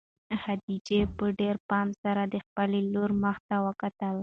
خدیجې په ډېر پام سره د خپلې لور مخ ته وکتل.